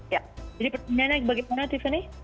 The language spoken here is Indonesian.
jadi pertanyaannya bagaimana tiffany